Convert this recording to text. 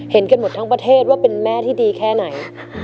เห็นกันหมดทั้งประเทศว่าเป็นแม่ที่ดีแค่ไหน